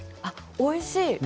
おいしい。